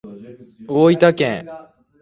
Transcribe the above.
大分県由布市庄内町